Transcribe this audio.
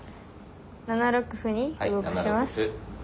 ７六歩に動かします。